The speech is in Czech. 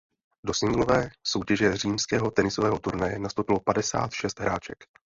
Do singlové soutěže římského tenisového turnaje nastoupilo padesát šest hráček.